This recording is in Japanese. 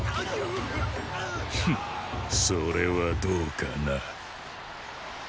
フッそれはどうかな。